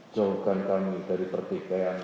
jauhkan kami dari perdikaian